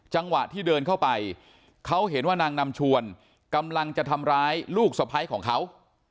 จังหวะที่เดินเข้าไปเขาเห็นว่านางนำชวนกำลังจะทำร้ายลูกสะพ้ายของเขา